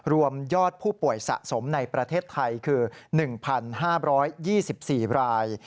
รวมยอดผู้ป่วยสะสมในประเทศไทยคือ๑๕๒๔ราย